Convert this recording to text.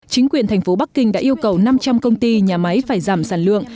chính quyền thành phố bắc kinh đã yêu cầu năm trăm linh công ty nhà máy phải giảm sản lượng